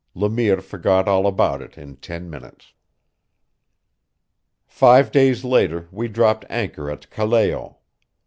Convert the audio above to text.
Le Mire forgot all about it in ten minutes. Five days later we dropped anchor at Callao.